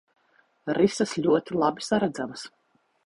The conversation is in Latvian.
Rises ļoti labi saredzamas.